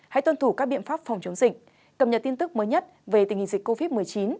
hãy tuân thủ các biện pháp phòng chống dịch cập nhật tin tức mới nhất về tình hình dịch covid một mươi chín